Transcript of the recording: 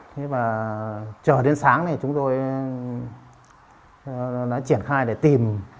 thế mà chờ đến sáng này chúng tôi đã triển khai để tìm